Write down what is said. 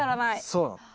そうなの。